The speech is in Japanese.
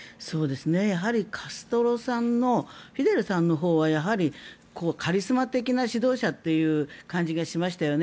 やはりカストロさんのフィデルさんのほうはカリスマ的な指導者という感じがしましたよね。